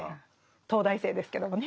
東大生ですけどもね。